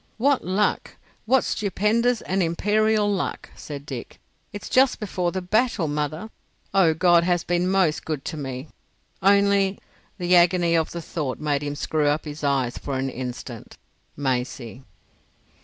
"What luck! What stupendous and imperial luck!" said Dick. "It's "just before the battle, mother." Oh, God has been most good to me! Only'—the agony of the thought made him screw up his eyes for an instant—"Maisie..."